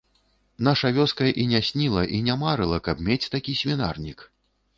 Наша вёска і не сніла, і не марыла, каб мець такі свінарнік.